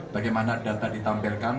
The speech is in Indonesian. bagaimana data ditampilkan